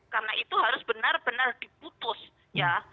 karena itu harus benar benar diputus ya